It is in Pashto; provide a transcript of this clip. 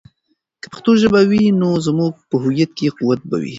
که پښتو ژبه وي، نو زموږ په هویت کې قوت به وي.